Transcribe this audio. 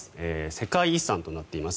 世界遺産となっています